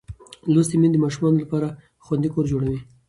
لوستې میندې د ماشوم لپاره خوندي کور جوړوي.